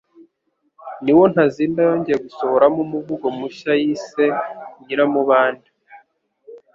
niwo Ntazinda yongeye gusohoramo umuvugo mushya yise 'Nyiramubande.